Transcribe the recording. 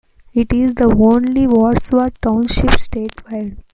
It is the only Wadsworth Township statewide.